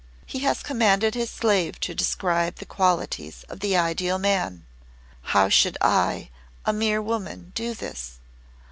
He has commanded his slave to describe the qualities of the Ideal Man. How should I, a mere woman, do this?